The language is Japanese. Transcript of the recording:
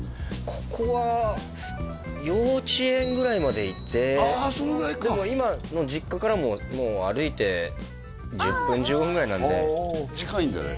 ここは幼稚園ぐらいまでいてでも今の実家からももう歩いて１０分１５分ぐらいなんでああ近いんだね